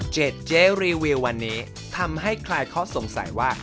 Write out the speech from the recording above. เจ็ดเจ๊รีวิววันนี้ทำให้ใครเค้าสงสัยว่า